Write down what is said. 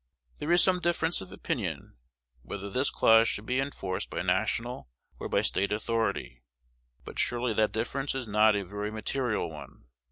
There is some difference of opinion whether this clause should be enforced by national or by State authority; but surely that difference is not a very material one.